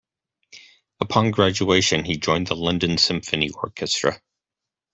Upon graduation he joined the London Symphony Orchestra.